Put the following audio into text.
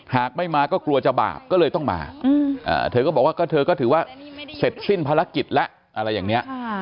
หากไม่มาก็กลัวจะบาปก็เลยต้องมาเธอก็บอกว่าเธอก็ถือว่าเสร็จสิ้นภารกิจแล้วอะไรอย่างนี้